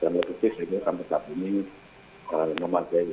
dan berarti sehingga kami saat ini memang memadai